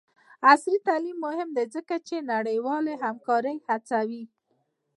عصري تعلیم مهم دی ځکه چې د نړیوالې همکارۍ هڅوي.